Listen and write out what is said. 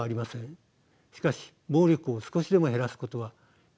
しかし暴力を少しでも減らすことは極めて重要です。